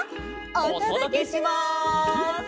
おとどけします！